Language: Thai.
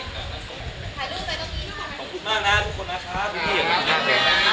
ขอบคุณมากนะทุกคนนะครับ